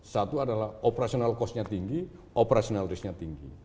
satu adalah operational cost nya tinggi operational risknya tinggi